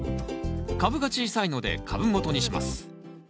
株が小さいので株元にします。